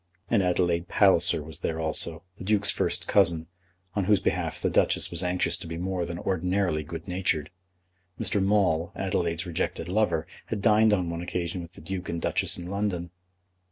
And Adelaide Palliser was there also, the Duke's first cousin, on whose behalf the Duchess was anxious to be more than ordinarily good natured. Mr. Maule, Adelaide's rejected lover, had dined on one occasion with the Duke and Duchess in London.